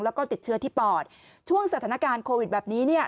แล้วก็ติดเชื้อที่ปอดช่วงสถานการณ์โควิดแบบนี้เนี่ย